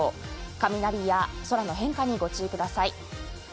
雷や空の変化にご注意ください。